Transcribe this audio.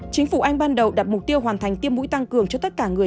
chính phủ anh ban đầu đặt mục tiêu hoàn thành tiêm mũi tăng cường cho tất cả người